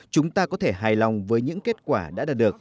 chúng ta có thể hài lòng với những kết quả đã đạt được